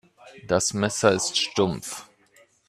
Das Messer ist stumpf.